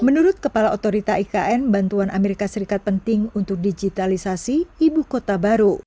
menurut kepala otorita ikn bantuan amerika serikat penting untuk digitalisasi ibu kota baru